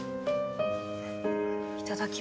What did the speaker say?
いただきます。